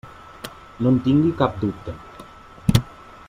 No en tingui cap dubte.